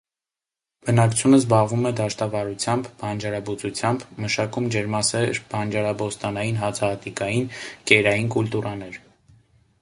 Բնակչությունը զբաղվում է դաշտավարությամբ, բանջարաբուծությամբ, մշակում ջերմասեր բանջարաբոստանային, հացահատիկային, կերային կուլտուրաներ։